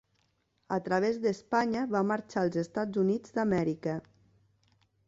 A través d'Espanya va marxar als Estats Units d'Amèrica.